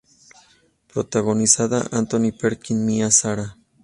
Protagonizada Anthony Perkins Mia Sara.